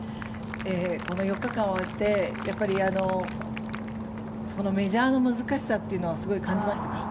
この４日間を終えてメジャーの難しさというのはすごい感じましたか？